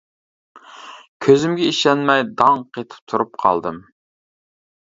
كۆزۈمگە ئىشەنمەي داڭ قېتىپ تۇرۇپ قالدىم.